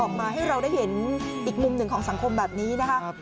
ออกมาให้เราได้เห็นอีกมุมหนึ่งของสังคมแบบนี้นะคะ